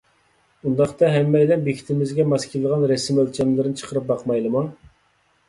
ئۇنداقتا ھەممەيلەن بېكىتىمىزگە ماس كېلىدىغان رەسىم ئۆلچەملىرىنى چىقىرىپ باقمايلىمۇ؟